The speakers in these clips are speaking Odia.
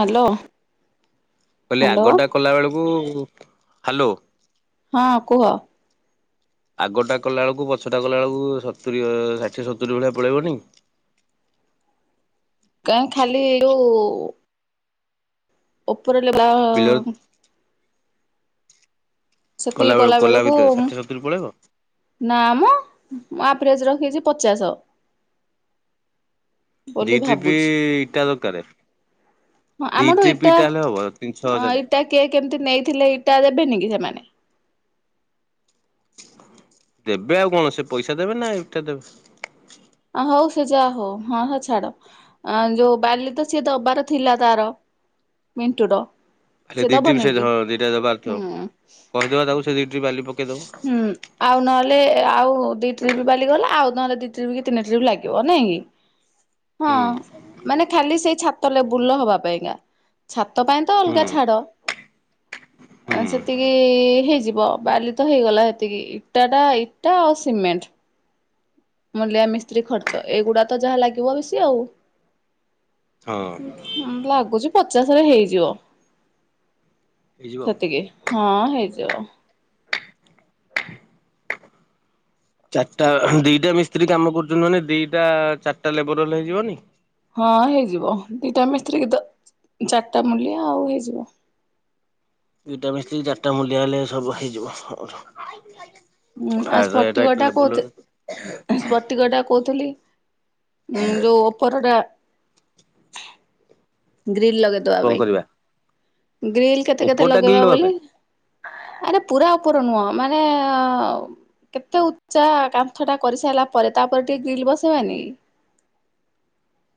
ହ୍ୟାଲୋ। କହିଲି ହ୍ୟାଲୋ ଆଗଟା କଲା ବେଳକୁ ହ୍ୟାଲୋ ହଁ କୁହ। ଆଗଟା କଲା ବେଳକୁ ପଛଟା କଲା ବେଳକୁ ସତୁରି ଷାଠିଏ ସତୁରି ଭଳିଆ ପଳେଇବନି? କାହିଁ ଖାଲି ଯୋଉ ଉପର ଲ ବା ବିଲରେ ସେତିକି କଲା ବେଳକୁ ଭିତରେ ଷାଠିଏ ସତୁରି ପଳେଇବ ନା ମ ମୁଁ ଆଭ୍ରେଜ ରଖିଛି ପଚାଶ। ଦି ବୋଲି ଟ୍ରିପି ଭାବୁଛି ଇଟା ଦରକାର ହଁ ଦି ଆମଠୁ ଟ୍ରିପ ଇଟା ହେଲେ ହବ ତିନି ଛଅ ହଜାର। ଇଟା କିଏ କେମିତି ନେଇଥିଲେ ଇଟା ଦେବେନି କି ସେମାନେ? ଦେବେ ଆଉ କଣ ସେ ପଇସା ଦେବେ ନା ଇଟା ଦେବେ। ହଉ ସେ ଯାହା ହଉ ହଁ ସେ ଛାଡ। ଅଁ ଯୋଉ ବାଲି ତ ସିଏ ଦବାର ଥିଲା ତାର ମିଣ୍ଟୁର। ଖାଲି ସିଏ ଦିଇ ଟ୍ରିପ ଦବନି ସେ କି ହଁ ଦିଟା ହୁଁ [unintelligible] କହିଦବା ତାକୁ ସେ ଦିଇ ଟ୍ରିପ ବାଲି ପକଉ ହୁଁ। ଆଉ ନହେଲେ ଆଉ ଦିଟ୍ରିପ ବାଲିଗଲା ଆଉ ନହେଲେ ଦିଟ୍ରିପ କି ତିନି ଟ୍ରିପ ଲାଗିବ ନାହିଁ କି? ହଁ ହୁଁ ମାନେ ଖାଲି ସେଇ ଛାତ ଲେବୁଲର ହବା ପାଇଁକା। ଛାତ ପାଇଁ ତ ହୁଁ ଅଲଗା ଛାଡ। ହୁଁ ସେତିକି ହେଇଯିବ ବାଲି ତ ହେଇଗଲା ହେତିକି ଇଟାଟା ଇଟା ଆଉ ସିମେଣ୍ଟ। ମୁଲିଆ ମିସ୍ତ୍ରୀ ଖର୍ଚ୍ଚ ଏଇଗୁଡା ତ ଯାହା ଲାଗିବ ବେଶି ଆଉ। ହଁ। ମତେ ଲାଗୁଛି ପଚାଶରେ ହେଇଯିବ ହେଇଯିବ ସେତିକି। ହଁ ହେଇଯିବ। ଚାରିଟା ଦିଟା ମିସ୍ତ୍ରୀ କାମ କରୁଛନ୍ତି ମାନେ ଦିଟା ଚାରିଟା ଲେବର ହେଲେ ହେଇଯିବନି? ହଁ ହେଇଯିବ ଦିଟା ମିସ୍ତ୍ରୀ କୁ ତ ଚାରିଟା ମୂଲିଆ ଆଉ ହେଇଯିବ। ଦିଟା ମିଶି ଚାରିଟା ମୂଲ୍ୟ ହେଲେ ସବୁ ହେଇଯିବ। ହୁଁ ଆଉ ଫାୟାର ଏଟା ଏତେ ସ୍ପଟିକଟା କୋଉ ଲେବୁଲ ସ୍ତିକ ଟା କହୁଥିଲି ଉ ଯୋଉ ଉପରଟା ଗ୍ରୀଲ ଲଗେଇ କଣ କରିବା? ଗ୍ରୀଲ୍ କେତେ କେତେ ଉପରଟା ଗ୍ରିଲ ଲଗେଇବା ଦବା ବୋଲି। ପାଇଁ ମାନେ ପୁରା ଉପର ନୁହଁ ମାନେ କେତେ ଉଚା କାନ୍ଥ ଟା କରିସାରିଲା ପରେ ତାପରେ ଟିକେ ଗ୍ରିଲ୍ ବସେଇବାନି।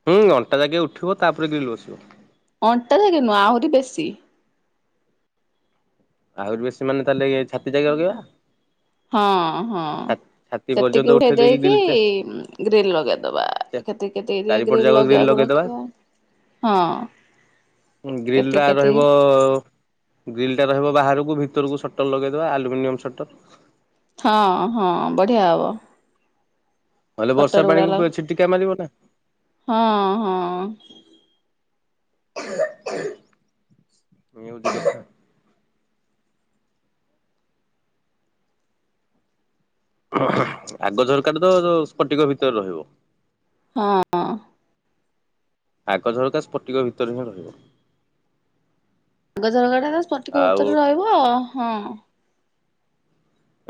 ହୁଁ ଅଣ୍ଟା ଜାଗା ଉଠିବ ତାପରେ ଗ୍ରୀଲ୍ ବସିବ। ଅଣ୍ଟା ଯାକ ନୁହଁ ଆହୁରି ବେଶୀ। ଆହୁରି ବେଶୀ ମାନେେ ତାହେଲେ ଛାତି ଯାଇକି ଲଗେଇବା। ହଁ ହଁ ଛାତି ପର୍ଯ୍ୟନ୍ତ ସେତିକି ଉଠେଇ ଦେଇକି ଗ୍ରିଲ ଚା ଗ୍ରୀଲ ଲଗେଇଦବା। କେତେ କେତେ ଏରିଆ ଚାରିପଟ ଗ୍ରୀଲ ଯାକ ଗ୍ରିଲ ଲଗେଇବାକୁ ଲଗେଇଦବା ରଖିବା ହଁ। ଗ୍ରିଲ କେତିକି ଟା ରହିବ କେତିକି ଗ୍ରିଲ ଟା ରହିବ ବାହାରକୁ ଭିତରକୁ ସଟର ଲଗେଇଦବା ଆଲୁମିନିୟମ ସଟର। ହଁ ହଁ ବଢ଼ିଆ ହବ। ନହେଲେ ସଟର ବର୍ଷା ଗୁଡା ଲ ପାଣିକୁ ଛିଟିକା ମାରିବ ନା। ହଁ ହଁ। ହ [inaudible] ନ୍ୟୁଜ। ଆଗ ଝର କାଟିଦେବ ତ ପଟିକ ଭିତରେ ରହିବ। ହଁ ଅଁ। ଆଗଝରକା ସ୍ପଟିକ ଭିତରେ ହିଁ ରହିବ। ଗଜ ଝରକାଟା ତ ସ୍ପଟିକ ଆଉ ଉତ୍ତର ରହିବ ହଁ।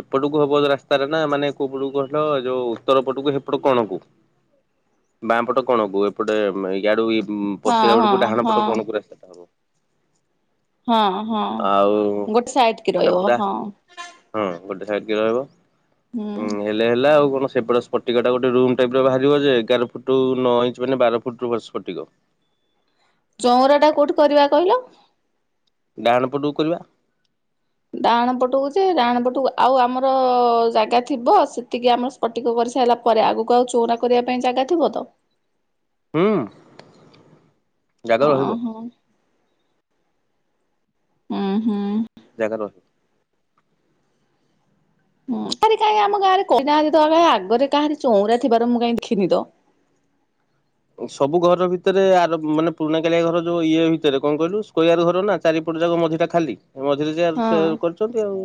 ଏପଟକୁ ହବ ରାସ୍ତାରେ ନା ମାନେ କୋଉପଟକୁ କହିଲ ଯୋଉ ଉତ୍ତର ପଟକୁ ସେପଟ କଣକୁ। ବାଁ ପଟ କଣକୁ ଏପଟେ ଇାଡୁ ଇ ହଁ ପଶିଲା ବେଳକୁ ହଁ ଡାହାଣ ପଟ ହଁ। କଣକୁ ରାସ୍ତା ଟା ହବ। ହଁ ହଁ ଆଉ ଗୋଟେ ସାଇଡ୍‌ କି ଏଟା ରହିବ ପୁରା ହଁ। ହଁ ଗୋଟେ ସାଇଡ୍‌ କି ରହିବ ହୁଁ ଉଁ ଏତ୍ ହେଲେ ହେଲା ଆଉ କଣ ସେପଟ ସ୍ପଟିକ ଟା ଗୋଟେ ରୁମ୍ ଟାଇପ୍ ର ବାହାରିବ ଯେ ଏଗାର ଫୁଟୁ ନଅ ଇଞ୍ଚ ମାନେ ବାର ଫୁଟ ରୁ ସ୍ପଟିକ। ଚଉଁରା ଟା କୋଉଠି କରିବା କହିଲ। ଡାହାଣ ପଟକୁ କରିବା। ଡାହାଣ ପଟକୁ ଯେ ଡାହାଣ ପଟକୁ ଆଉ ଆମର ଜାଗା ଥିବ ସେତିକି ଆମ ସ ପଟିକ କରିସାଇଲା ପରେ ଆଗକୁ ଆଉ ଚଉଁରା କରିବା ପାଇଁ ଜାଗା ଥିବ ତ। ହୁଁ। ଜାଗା ରହିବ ଅଁ ହୋ। ଉଁ ହୁଁ। ଜାଗା ର ହଁ ଆଗରେ କାହିଁ ଆମ ଗାଁରେ କହି ନାହାନ୍ତି ତ ଆଗରେ କାହାରି ଚଉଁରା ଥିବାର ମୁ କାହିଁ ଦେଖିନି ତ। ସବୁ ଘର ଭିତରେ ଆର ମାନେ ପୁରୁଣା କାଳିଆ ଘର ଯୋଉ ଇଏ ଭିତରେ କଣ କହିଲୁ ସ୍କଆର ଘର ନା। ଚାରିପଟ ଯାକ ମଝିଟା ଖାଲି ମଝିରେ ଯା ହଁ ଚାର କରିଛନ୍ତି ଆଉ।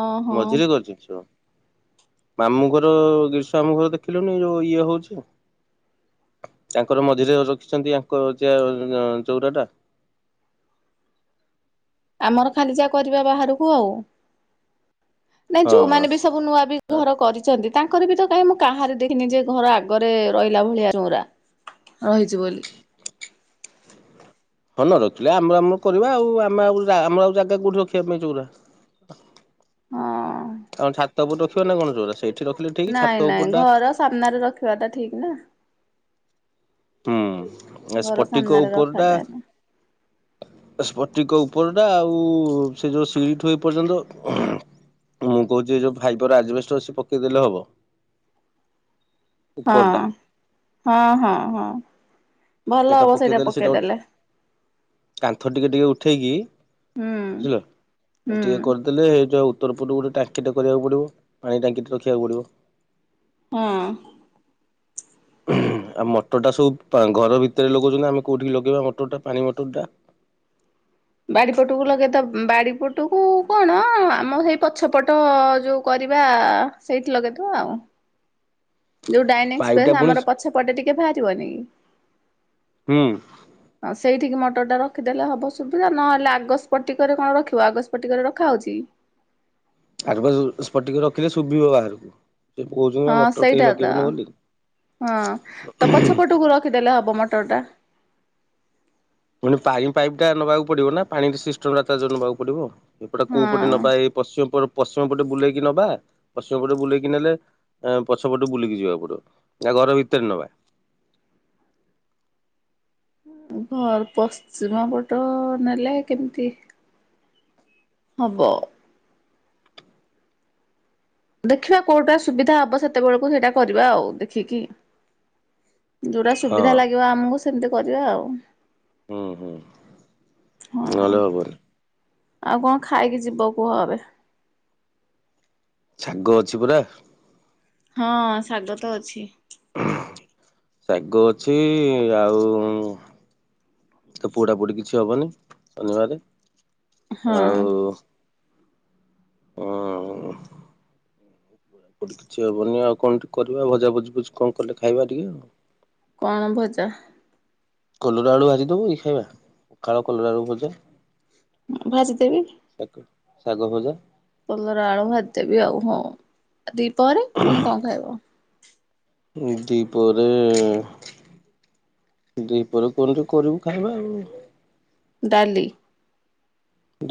ଓହୋ ମଝିରେ କରିଚନ୍ତି ଚ। ମାମୁଁ ଘର ଗିରିଷ୍ ମାମୁଁ ଘର ଦେଖିଲୁନି ଯୋଉ ଇଏ ହଉଛି। ତାଙ୍କର ମଝିରେ ରଖିଛନ୍ତି ଆଙ୍କ ଚିଆର ଚଉଁରା ଟା। ଆମର ଖାଲି ଯା କରିବା ବାହାରକୁ ଆଉ। ନାଇଁ ହଁ। ଯୋଉମାନେ ବି ସବୁ ନୂଆ ବି ଘର କରିଚନ୍ତି। ତାଙ୍କର ବି ତ କାହିଁ ମୁଁ କାହାରି ଦେଖିନି ଯେ ଘର ଆଗରେ ରହିଲା ଭଳିଆ ରଉଁରା ରହିଛି ବୋଲି। ହ ନ ରଖିଲେ ଆମ ଆମ କରିବା ଆଉ ଆମ ଆଉ ଯା ଆମ ଆଉ ଜାଗା କଉଠି ରଖିବା ପାଇଁ ଚଉଁରା। ହୁଁ। ଆ ଛାତ ଉପରେ ରଖିବା ନା କଣ ଚଉଁରା ସେଇଠି ରଖିଲେ ଠିକ୍ ନାଇଁ ଛାତ ନାଇଁ ଉପର ଟା ଘର ସାମ୍ନାରେ ରଖିବାଟା ଠିକ୍ ନା। ହୁଁ ଘର ସ୍ପଟିକ ସାମ୍ନାରେ ଉପରଟା ରଖାଯାଏ ନା। ସ୍ପଟିକ ଉପରଟା ଆଉ ସେ ଯେଉ ସିଡିଠୁ ଏ ପର୍ଯ୍ୟନ୍ତ ମୁଁ କହୁଛି ଏ ଯୋଉ ଫାଇବର ଆଜବେଷ୍ଟ ଅଛି ପକେଇଦେଲେ ହବ। ଉପରଟା ହୁଁ ହୁଁ ହୁଁ ହୁଁ। ଭଲ ହବ ସେଇଟା ପକେଇଦେଲେ। କାନ୍ଥ ଟିକେ ଟିକେ ଉଠେଇକି ହୁଁ ବୁଝିଲ ହୁଁ ଟିକେ କରି ଦେଲେ ଏ ଯୋଉ ଉତ୍ତର ପୂର୍ରୁ ଗୋଟେ ଟାଙ୍କି ଟା କରିବାକୁ ପଡିବ ପାଣି ଟାଙ୍କି ଟେ ରଖିବାକୁ ପଡିବ। ହୁଁ। ଆଉ ମଟରଟା ସବୁ ପା ଘର ଭିତରେ ଲଗଉଚନ୍ତି ନା ଆମେ କୋଉଠିକି ଲଗେଇବା ମଟରଟା ପାଣି ମଟର ଟା। ବାଡି ପଟକୁ ଲଗେଇଦ ବାଡି ପଟକୁ କଣ ଆମ ସେଇ ପଛପଟ ଯୋଉ କରିବା ସେଇଠି ଲଗେଇଦବା ଆଉ। ଯୋଉ ଡାଇନିଂ ପାଇପଟା ସ୍ପେସ୍ ପୁଣି ଆମର ପଛ ପଟେ ଟିକେ ବାହାରିବନି କି। ହୁଁ। [inaudible] ହଁ ସେଇଠିକି ମଟର ଟା ରଖିଦେଲେ ହବ ସୁବିଧା ନହେଲେ ଆଗଷ୍ପଟିକରେ କଣ ରଖିବ ଆଗ ସ୍ପଟିକରେ ରଖାହଉଚି। ଆଗ ସ୍ପଟିକ ରେ ରଖିଲେ ଶୁଭିବ ବାହାରକୁ। ସେ କହୁଛନ୍ତି ହଁ ମଟର କେହି ସେଇଟା ଲଗେଇିବନି ତ ବୋଲି। ହେପଟକୁ ରଖିଦେଲେ ହେବ ମଟରଟା। ପୁଣି ପାଣି ପାଇପ୍ ଟା ନବାକୁ ପଡିବ ନା ପାଣି ସିଷ୍ଟମ ତା ନେବାକୁ ପଡିବ ଏପଟ କୋଉ ପଟେ ହଁ। ନବା ଏ ପଶ୍ଚିମ ପଶ୍ଚିମ ପଟେ ବୁଲେଇକି ନବା ପଶ୍ଚିମ ପଟେ ବୁଲେଇକି ନେଲେ ପଛ ପଟୁ ବୁଲିକି ଯିବାକୁ ପଡିବ ନା ଘର ଭିତରେ ନବା? ଘର ପଶ୍ଚିମ ପଟ ନେଲେ କେମିତି ହବ। ଦେଖିବା କୋଉଟା ସୁବିଧା ହବ ସେତେବେଳକୁ ସେଇଟା କରିବା ଆଉ ଦେଖିକି। ଯୋଉଟା ହଁ ସୁବିଧା ଲାଗିବ ଆମକୁ ସେମିତି କରିବା ଆଉ। ହୁଁ ହୁଁ ନହେଲେ ହଁ। ହବନି ଆଉ କଁ ଖାଇକି ଯିବ କୁହ ଏବେ? ଶାଗ ଅଛି ପରା। ହଁ ଶାଗ ତ ଅଛି। ଶାଗ ଅଛି ଆଉ ତ ପୋଡା ପୋଡି କିଛି ହବନି ଶନିବାର ହଁ ଆଉ [inaudible] ପା କିଛି ହବନି ଆଉ କଁ ଟିକେ କରିବା ଭଜା ଭୁଜି ବୁଜି କଣ କଲେ ଖାଇବା ଟିକେ। କଣ ଭଜା? କଲରା ଆଳୁ ଭାଜିଦବ ଏଇ ଖାଇବା ପଖାଳ କଲରା ଆଳୁ ଭଜା। ଭାଜି ଦେବି। ଶ ଶାଗ ଭଜା। କଲରା ଆଳୁ ଭାଜିଦେବି ଆଉ ହଁ ଦିପହରେ ମାନେ କଁ ଖାଇବ? ଦି ପରେ ଦି ପହରେ କଣ ତୁ କରିବୁ ଖାଇବା ଆଉ। ଡାଲି।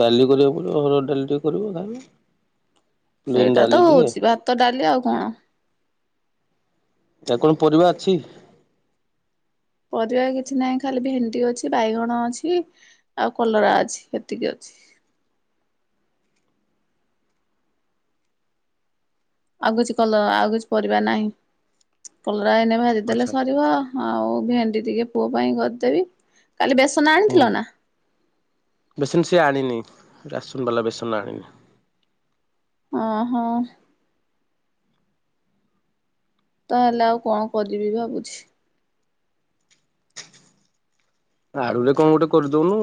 ଡାଲି କରିବାକୁ ପଡ଼ିବ ହରଡ ଡାଲି ଟିକେ କରିବୁ ଖାଇବା। ପ୍ଲେନ ସେଇଟା ଡାଲି ତ ଟିକେ ହଉଛି ଭାତ ଡାଲି ଆଉ କଣ? ଆ କଣ ପରିବା ଅଛି? ପରିବା କିଛି ନାହିଁ ଖାଲି ଭେଣ୍ଡି ଅଛି, ବାଇଗଣ ଅଛି, ଆଉ କଲରା ଅଛି ଏତିକି ଅଛି। ଆଉ କିଛି କଲର ଆଉ କିଛି ପରିବା ନାହିଁ କଲରା ଏଇନେ ଭାଜିଦେଲେ ଆଚ୍ଛା ସରିବ। ଆଉ ଭେଣ୍ଡି ଟିକେ ପୁଅ ପାଇଁ କରିଦେବି କାଲି ବେସନ ହୁଁ ଆଣିଥିଲ ନା? ବେସନ ସିଏ ଆଣିନି ରାସନ ବାଲା ବେସନ ଆଣିନି। ଅ ହଁ। ତାହେଲେ ଆଉ କଣ କରିବି ଭାବୁଛି। ଆଳୁ ରେ କଣ ଗୋଟେ କରିଦଉନୁ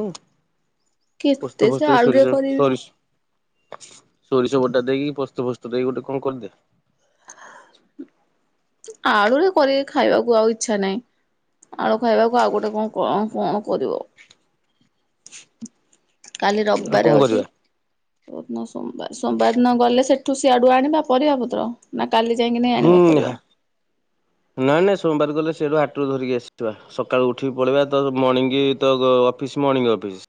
କେତେ ପୋସ୍ତ ସେ ଫୋସ୍ତ ଆଳୁରେ ସୋରିଷ କରିବି ସରି ସୋରିଷବଟା ଦେଇକି ପୋସ୍ତ ଫୋସ୍ତ ଦେଇକି ଗୋଟେ କଣ କରିଦେ। ଆଳୁରେ କରି ଖାଇବାକୁ ଆଉ ଇଚ୍ଛା ନାଇଁ। ଆଳୁ ଖାଇବାକୁ ଆଉ ଗୋଟେ କଁ କଣ କଣ କରିବ? କାଲି ଆଉ ରବିବାର କଣ ଅଛି। କରିବା କୋଉ ଦିନ ସୋମବାର ସୋମବାର ଦିନ ଗଲେ ସେଠୁ ସିଆଡୁ ଆଣିବା ପରିବା ପତ୍ର ନା କାଲି ଯାଇକି ନେଇ ହୁଁ ଆଣିବା ପରିବା। ନାଇଁ ନାଇଁ ସୋମବାରେ ଗଲେ ସେଇଠୁ ହାଟରୁ ଧରିକି ଆସିଥିବା। ସକାଳୁ ଉଠିକି ପଳେଇବା ତ ମର୍ଣିଙ୍ଗ ତ ଅଫିସ୍ ମର୍ଣ୍ଣିଙ୍ଗ ଅଫିସ୍।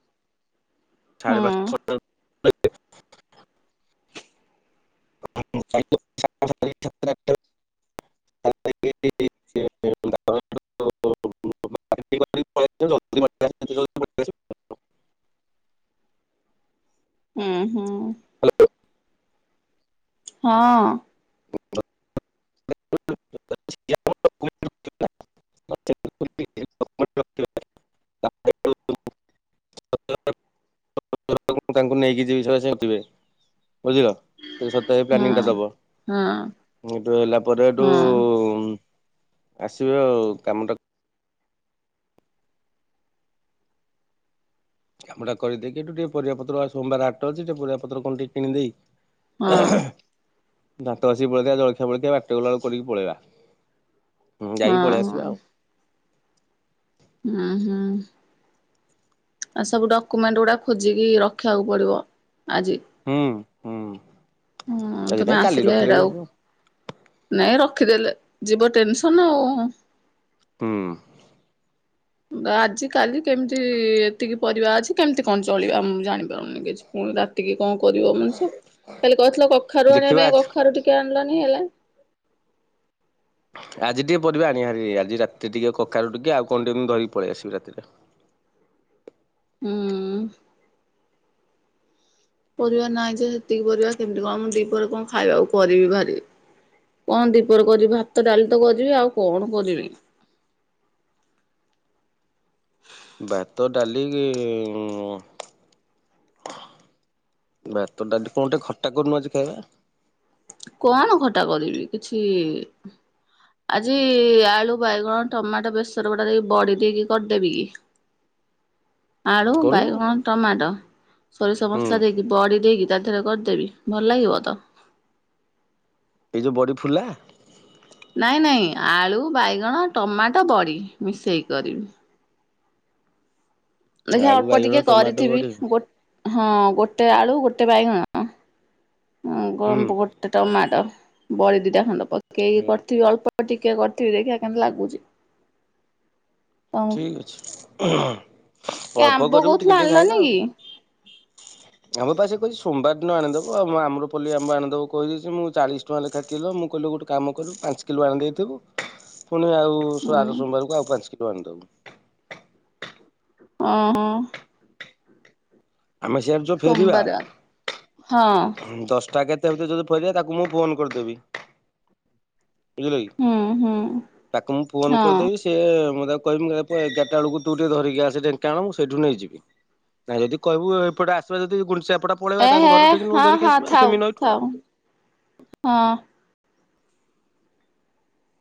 ସାଢେ ହୁଁ [unintelligible] [inaudible] [unintelligible] [unintelligible] [unintelligible] ଉଁ ହୁଁ। [unintelligible] ହଁ। [inaudible] [unintelligible] [unintelligible] ମୁଁ ତାଙ୍କୁ ନେଇକି ଯିବି [unintelligible] ବୁଝିଲ? ଟ ସତ ଏଇ ହଁ ପ୍ଲାନିଂ ଟା ଦବ ହଁ ଏଇଠୁ ହେଲା ପରେ ହଁ ଏଠୁ ଆସିବେ ଆଉ କାମଟା କାମ ଟା କରିଦେଇକ ଏଠୁ ଟିକିଏ ପରିବା ପତ୍ର ଆ ସୋମବାର ହାଟ ଅଛି ଟିକେ ପରିବା ପତ୍ର କଣ ଟିକେ କିଣି ଦେଇେ ହଁ ହଁ ଦାନ୍ତ ଆସିକି ପଳେଇଥିବା ଜଳଖିଆ ପଳଖିଆ ବାଟରେ ଗଲା ବେଳକୁ କରିକି ପଳେଇବା। ହୁଁ ଯାଇକି ହଁ ପଳେଇ ଆସିବା ଆଉ। ଉଁ ହୁଁ। ଆ ସବୁ ଡକ୍ୟୁମେଣ୍ଟ ଗୁଡା ଖୋଜିକି ରଖିବାକୁ ପଡିବ ଆଜି। ହୁଁ ହୁଁ ହଁ ଆଜି ତମେ କାଇଁ କାଲି ଆସିଲେ ରଖିଲେ ବି ଏଟାକୁ ହବ। ନାଇଁ ରଖିଦେଲେ ଯିବ ଟେନସନ ଆଉ। ହୁଁ। ବା ଆଜି କାଲି କେମିତି ଏତିକି ପରିବା ଅଛି କେମିତି କଣ ଚଳିବା ମୁଁ ଜାଣିପାରୁନି କିଛି। ପୁଣି ରାତିକି କଣ କରିବ ମଣିଷ କାଲି କହିଥିଲ କଖାରୁ ଆଣିବା ଦେଖିବା ପାଇଁ ଆଜି କଖାରୁ ଟିକେ ଆଣିଲନି ହେଲା। ଆଜି ଟିକେ ପରିବା ଆଣିଆ ହାରି ଆଜି ରାତି ଟିକେ କଖାରୁ ଟିକେ ଆଉ କଣ ଟିକେ ଏମିତି ଧରିକ ପଳେଇ ଆସିବି ରାତିରେ। ହୁଁ। ପରିବା ନାହିଁ ଯେ ସେତିକି ପରିବା କେମିତି କଣ ମୁଁ ଦିପରେ କଣ ଖାଇବାକୁ କରିବି ଭାରି କଣ ଦୀପରେ କରିବି ଭାତ ଡାଲି ତ କରିବି ଆଉ କଣ କରିବି। ଭାତ ଡାଲି ଉଁ ଭାତ ଡାଲି କଣ ଟେ ଖଟା କରୁନୁ ଆଜି ଖାଇବା। କଣ ଖଟା କରିବି କିଛି ଆଜି ଆଳୁ ବାଇଗଣ ଟମାଟୋ ବେସର ବଟା ଦେଇକି ବଢି ଦେଇକି କରିଦେବି କି? ଆଳୁ କରୁନୁ ବାଇଗଣ ଟମାଟୋ ସୋରିଷ ହୁଁ ମସଲା ଦେଇକି। ବଡ଼ି ଦେଇକି ତା ଦେହରେ କରିଦେବି ଭଲ ଲାଗିବ ତ? ଏଇ ଯେଉଁ ବଡ଼ି ଫୁଲା? ନାଇଁ ନାଇଁ ଆଳୁ ବାଇଗଣ ଟମାଟୋ ବଡ଼ି ମିଶେଇ କରିବି। ଦେଖ ଆଳୁ ଅଳ୍ପ ବାଇଗଣ ଟିକେ ଟମାଟୋ କରିଥିବି ବଡି ହୁଁ ହଁ ଗୋଟେ ଆଳୁ ଗୋଟେ ବାଇଗଣ ହୁଁ ଗୋ ହୁଁ ଗୋଟେ ଟମାଟ ବଡି ଦିଟା ଖଣ୍ଡ ପକେଇକି କରିଥିବି ଅଳ୍ପ ଟିକେ କରିଥିବି ଦେଖିବା କେମିତି ଲାଗୁଛି? ତମକୁ। ଠିକ୍ ଅଛି। କାଇଁ ଅଳ୍ପ ଆମ୍ବ କରିବୁ ଟିକେ କହୁଥିଲ ଟିକେ ଆଣିଲନି କି? ଆମ୍ବ ପା ସେ କହିଛି ସୋମବାର ଦିନ ଆଣିଦବ ଆମ ଆମର ପଲି ଆମ୍ୱ ଆଣିଦବ କହିଦେଛି ମୁଁ ଚାଳିଶ [unintelligible] ମୁଁ କହିଲି ଗୋଟେ କାମ କରୁ ପାଞ୍ଚ କିଲୋ ଆଣି ଦେଇଥିବୁ। ପୁଣି ଆଉ ହୁଁ ଆର ସୋମବାରକୁ ଆଉ ପାଞ୍ଚ କିଲୋ ଆଣିଦବୁ। ଓହୋ। ଆମେ ସାର୍ ସୋମବାର ହଁ। ଦଶଟା କେତେ ଭିତରେ ଯଦି ଫେରିବ ତାକୁ ମୁଁ ଫୋନ କରିଦେବି। ବୁଝିଲ କି ହୁଁ ହୁଁ ତାକୁ ମୁଁ ଫୋନ ହଁ କରିଦେବି। ସେଏ ମୁଁ ତା କହିବି ଏଗାରଟା ବେଳକୁ ତୁ ଟିକେ ଧରିକି ଆସେ ଢେଙ୍କାଣ ମୁଁ ସେଇଠୁ ନେଇଯିବି। ନା ଯଦି କହିବୁ ଏପଟେ ଆସିବା ଯଦି ଗୁଣସିିଆପଟ ଏ ହେ ହଁ ହଁ ଥାଉ ଥାଉ ହଁ।